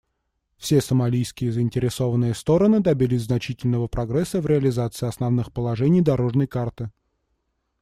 Все сомалийские заинтересованные стороны добились значительного прогресса в реализации основных положений «дорожной карты».